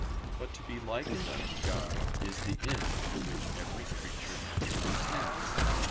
But to be likened unto God is the end to which every creature naturally tends.